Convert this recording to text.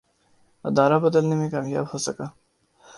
ارادہ بدلنے میں کامیاب ہو سکا